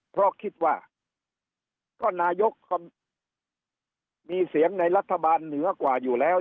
เพราะคิดว่าก็นายกก็มีเสียงในรัฐบาลเหนือกว่าอยู่แล้ว